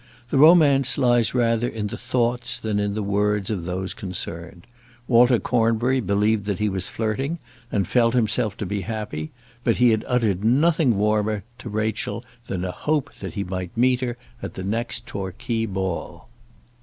The romance lies rather in the thoughts than in the words of those concerned. Walter Cornbury believed that he was flirting and felt himself to be happy, but he had uttered nothing warmer to Rachel than a hope that he might meet her at the next Torquay ball.